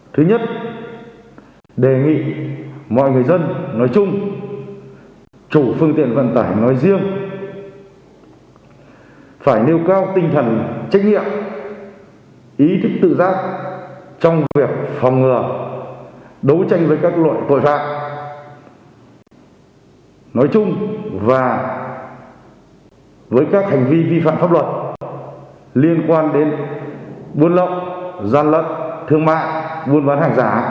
thứ hai đề nghị mọi người dân nói chung chủ phương tiện vận tải nói riêng phải nêu cao tinh thần trách nhiệm ý thức tự giác trong việc phòng ngừa đấu tranh với các loại tội phạm nói chung và với các hành vi phạm pháp luật liên quan đến buôn lộng gian lận thương mại